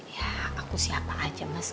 ya aku siapa aja mas